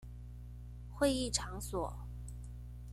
會議場所